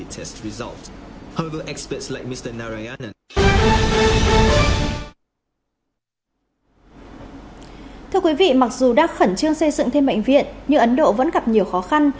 thưa quý vị mặc dù đã khẩn trương xây dựng thêm bệnh viện nhưng ấn độ vẫn gặp nhiều khó khăn